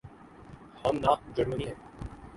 ہم نہ جرمنی ہیں۔